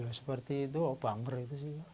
ya seperti itu bau banger itu sih